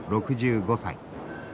６５歳。